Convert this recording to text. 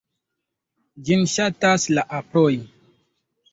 Ĝin ŝatas la aproj.